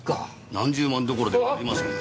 何十万どころではありません。